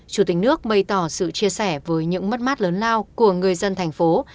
chủ tịch nước bày tỏ sự chia sẻ với những mất mát lớn lao của người dân tp hcm